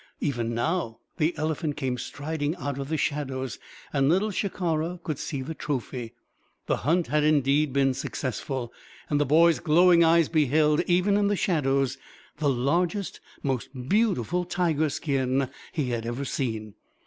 Even now, the elephant came striding out of the shadows; and Little Shikara could see the trophy. The hunt had indeed been successful, and the boy's glowing eyes beheld even in the shadows the largest, most beautiful tiger skin he had ever seen.